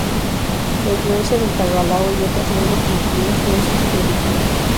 La influencia del tagalo y otras lenguas filipinas no es insignificante.